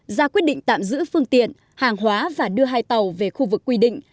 ra quyết định tạm giữ phương tiện hàng hóa và đưa hai tàu về khu vực quy định